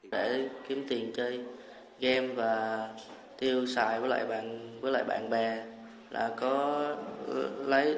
để kiếm tiền chơi game và tiêu xài với lại bạn bè là có lấy